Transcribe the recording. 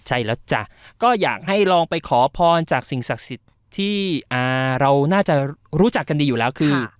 ใช่แล้วจ้ะก็อยากให้ลองไปขอพรจากสิ่งศักดิ์สิทธิ์ที่เราน่าจะรู้จักกันดีอยู่แล้วคือ